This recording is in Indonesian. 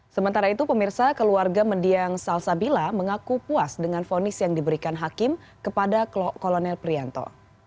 sementara itu pemirsa keluarga mendiang salsabila mengaku puas dengan fonis yang diberikan hakim kepada kolonel prianto